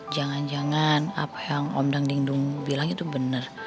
jangan jangan apa yang om dang dingdung bilang itu bener